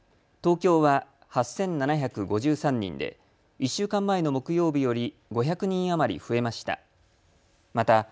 東京は８７５３人で１週間前の木曜日より５００人余り増えました。